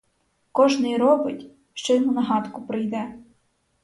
Кожний робить, що йому на гадку прийде.